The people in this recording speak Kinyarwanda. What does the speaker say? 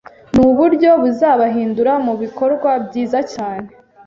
nuburyo buzabahindura mubikorwa byiza cyane